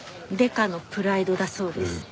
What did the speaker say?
デカのプライドだそうです。